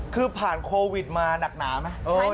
คือผ่านโควิดมาหนักหนาไหม